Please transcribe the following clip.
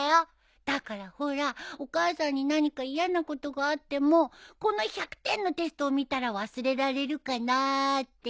だからほらお母さんに何か嫌なことがあってもこの１００点のテストを見たら忘れられるかなあって。